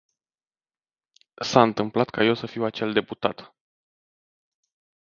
S-a întâmplat ca eu să fiu acel deputat.